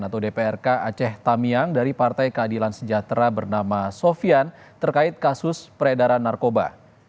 atau dprk aceh tamiang dari partai keadilan sejahtera bernama sofian terkait kasus peredaran narkoba